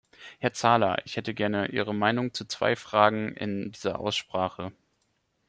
Herr Zala, ich hätte gerne Ihre Meinung zu zwei Fragen in dieser Aussprache.